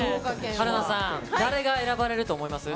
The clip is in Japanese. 春菜さん、誰が選ばれると思います？